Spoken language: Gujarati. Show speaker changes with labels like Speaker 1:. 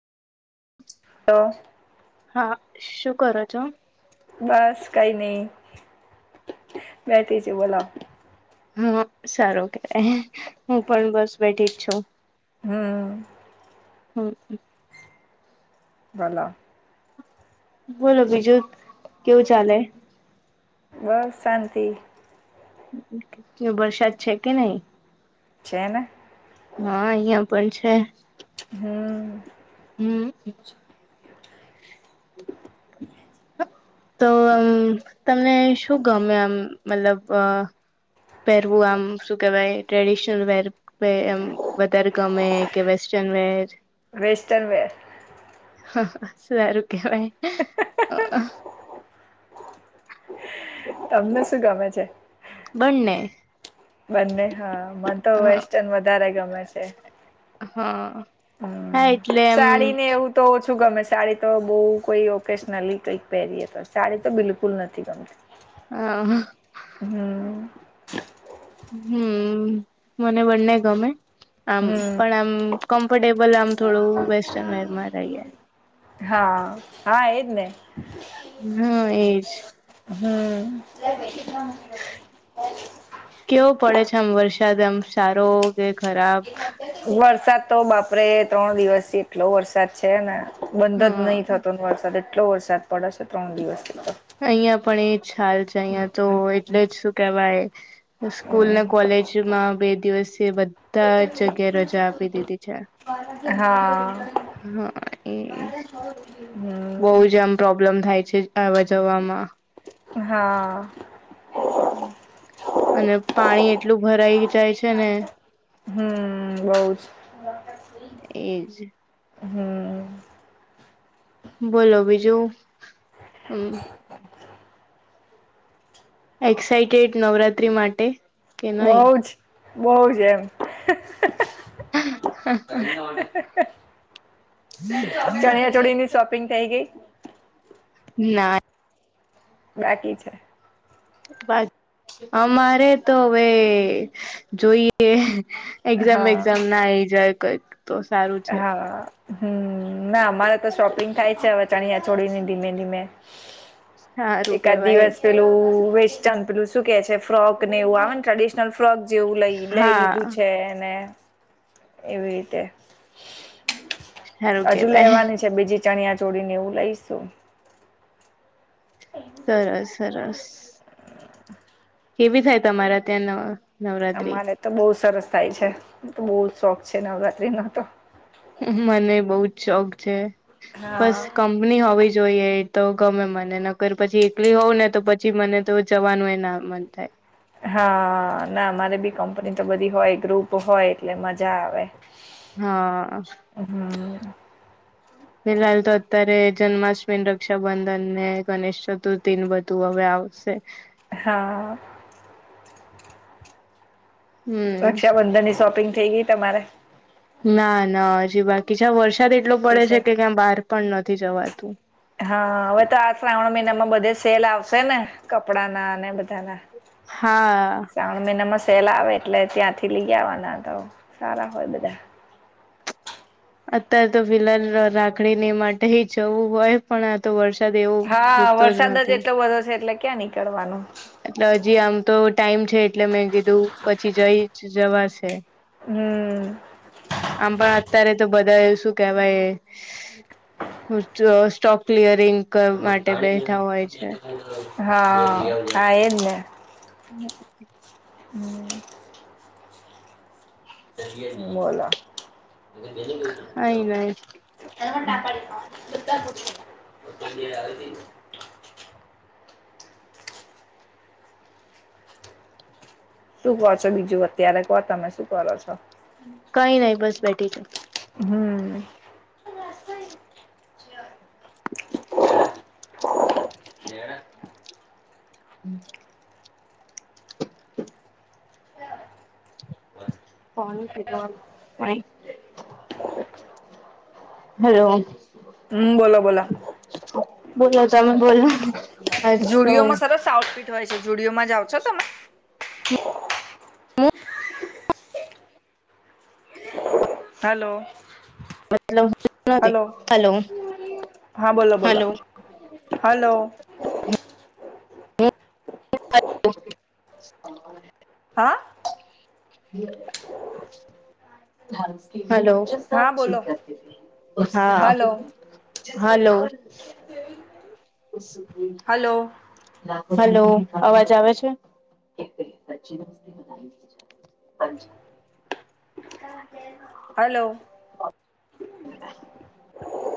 Speaker 1: ત
Speaker 2: હા શું કરો છો?
Speaker 1: બસ કઈ ની બેઠી છું બોલો
Speaker 2: હ સારું કેવાય હું પણ બસ બેઠી જ છું.
Speaker 1: હમ.
Speaker 2: હમ.
Speaker 1: બોલો.
Speaker 2: બોલો બીજું કેવું ચાલે?
Speaker 1: બસ શાંતી.
Speaker 2: વરસાાદ છે, કે નઈ?
Speaker 1: છે, ને
Speaker 2: હા અહિયાં પણ છે.
Speaker 1: હમ.
Speaker 2: હમ. તો આમ તમને શું ગમે આમ મતલબ અ પહેરવું આમ શું કેવાય ટ્રેડિશનલ વેર પે એમ વધારે ગમે કે વેસ્ટર્ન વેર
Speaker 1: વેસ્ટર્ન વેર
Speaker 2: સારું કેવાય.
Speaker 1: તમને શું ગમે છે?
Speaker 2: બંને.
Speaker 1: બંને હા મને તો વેસ્ટન વધારે ગમે છે.
Speaker 2: હ હા
Speaker 1: હમ
Speaker 2: એટલે એમ
Speaker 1: સાડી ને એવું તો ઓછું ગમે સાડી તો બો કોઈ ઓકેશનલી કંઈક પહેરીએ તો સાડી તો બિલકુલ નથી ગમ [inaudible]
Speaker 2: અ હ.
Speaker 1: હમ્મ.
Speaker 2: હમ્મ, મને બંને ગમે. આમ
Speaker 1: હમ
Speaker 2: પણ આમ કમ્ફર્ટેબલ આમ થોડું વેસ્ટર્ન વેરમાં રહીએ.
Speaker 1: હા હા એજ ને.
Speaker 2: હ એજ.
Speaker 1: હમ્મ.
Speaker 2: કેવો પડે છે આમ વરસાદ આમ સારો કે ખરાબ?
Speaker 1: વરસાદ તો બાપરે ત્રણ દિવસથી એટલો વરસાદ છે ને બંધ
Speaker 2: હા
Speaker 1: જ નઈ થતો ન વરસાદ એટલો વરસાદ પડસ ત્રણ દિવસનો
Speaker 2: અહિંયા પણ એ જ હાલ છે. અહિંયા તો એટલે જ શું કેવાય. સ્કૂલ
Speaker 1: હમ
Speaker 2: ને કોલેજમાં બે દિવસથી [unintelligible] ધા જગ્યાએ રજા આપી દીધી છે.
Speaker 1: હા.
Speaker 2: હા એજ. બઉ
Speaker 1: હમ
Speaker 2: જ આમ પ્રોબ્લેમ થાય છે આવા જવામાં.
Speaker 1: હા.
Speaker 2: અન પાણી એટલું ભરાઈ જાય છે ને.
Speaker 1: હમ્મ બઉ જ. [inaudible]
Speaker 2: એ જ.
Speaker 1: હમ્મ.
Speaker 2: બોલો બીજું અમ
Speaker 1: [inaudible]
Speaker 2: એક્સાઈટેડ નવરાત્રિ માટે? કે
Speaker 1: બઉ
Speaker 2: નહી
Speaker 1: જ બઉ જ એમ. ચણિયાચોળીની શોપિંગ થઈ ગઈ.
Speaker 2: ના.
Speaker 1: બાકી છે.
Speaker 2: અમારે તો હવે જોઈ એ એક્ઝામ
Speaker 1: હા
Speaker 2: બેક્ઝામ ના આઈ જાય કંઈક તો સારું. છે
Speaker 1: હા હમ્મ ના અમારે તો શોપિંગ થાય છે હવ. ચણિયા ચોળીની ધીમે ધીમે,
Speaker 2: સારું
Speaker 1: એકાદ
Speaker 2: કેવાય
Speaker 1: દિવસ પેલું વેસ્ટર્ન પેલું શું કે છે ફ્રોકને એવું આવે ને [unintelligible] [unintelligible] ફ્રોક જેવું લઈ લઈ લીધું
Speaker 2: હા
Speaker 1: છે ને એવી રીતે.
Speaker 2: સારું
Speaker 1: હજુ
Speaker 2: કેવાય
Speaker 1: લેવાની છે બીજી ચણિયા ચોળી ન એવું લઈશું. [inaudible]
Speaker 2: સરસ સરસ
Speaker 1: [inaudible]
Speaker 2: કેવી થાય તમારા ત્યાં નવ
Speaker 1: અમારે તો બહુ સરસ થાય છે બહુ શોખ છે નવરાત્રિનો તો.
Speaker 2: હમ્મ હમ્મ, મને બઉ જ શોખ છે બસ કમ ની હોવી જોઈએ તો ગમે મને નકર પછી એકલી હોઉ ને તો પછી મને તો જવાનું એ ના મન થાય.
Speaker 1: હા, ના અમારે બી કંપની તો બધી હોય ગ્રુપ હોય એટલે મજા આવે.
Speaker 2: હા.
Speaker 1: હમ્મ.
Speaker 2: ફિલહાલ તો અત્યારે જન્માષ્ટમી, રક્ષાબંધન ને ગણેશ ચતુર્થી ને બધું હવે આવશે.
Speaker 1: હા.
Speaker 2: હમ
Speaker 1: રક્ષાબંધન ની શોપિંગ થઈ ગઈ તમારે?
Speaker 2: ના ના હજી બાકી છે વરસાદ એટલો પડે છે કે ક્યાં બહાર પણ નથી જવાતું.
Speaker 1: હા, હવે તો આ શ્રાવણ મહિનામાં બધે સેલ આવશે ને કપડાના ને બધાના.
Speaker 2: હા.
Speaker 1: શ્રાવણ મહિનામાં સેલ આવે એટલે ત્યાંથી લઈ આવવાના તો સારા હોય બધા.
Speaker 2: અત્યારે તો ફિલહાલ ર ર રાખડી ની માટે જવું હોય. પણ આ તો વરસાદ એવું
Speaker 1: હા, વરસાદ જ એટલો બધો છે એટલે ક્યાં નીકળવાનો.
Speaker 2: એટલે હજી આમ તો ટાઈમ છે એટલે મેં કીધું પછી જઈ જવાશે.
Speaker 1: હમ્મ.
Speaker 2: આમ પણ અત્યારે તો બધા શું કેવાય હું સ્ટો સ્ટોક ક્લિયરિંગ માટે બેઠા હોય છે.
Speaker 1: હા હા એજ ને.
Speaker 2: હમ્મ.
Speaker 1: હમ્મ. બોલો.
Speaker 2: કઈ નઈ
Speaker 1: [inaudible] શું કરો છો બીજું અત્યારે તો તમે શું કરો છો?
Speaker 2: કઈ નહી બસ બેઠી છું.
Speaker 1: હમ્મ. એ વાસતય.
Speaker 2: હમ્મ. ફોન કીધું આમ. હલો.
Speaker 1: હમ્મ બોલો બોલા.
Speaker 2: બોલો તમે બોલો. આજ તો હું
Speaker 1: જુડિઓમાં સરસ આઉટપીટ હોય છે જુદીઓમાં જાવ છો તમે? હલો.
Speaker 2: મતલબ નથી
Speaker 1: હલો હા બોલો બોલો.
Speaker 2: Hello
Speaker 1: hello.
Speaker 2: [inaudible]
Speaker 1: હા?
Speaker 2: હલો.
Speaker 1: હા બોલો હલો
Speaker 2: હા હલો.
Speaker 1: [inaudible]
Speaker 2: પ સુકુલ.
Speaker 1: હલો
Speaker 2: હલો, અવાજ આવે છે? અનછા.
Speaker 1: [unintelligible] હલો.